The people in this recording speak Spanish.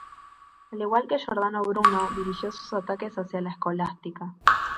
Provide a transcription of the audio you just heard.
Al igual que Giordano Bruno, dirigió sus ataques hacia la Escolástica.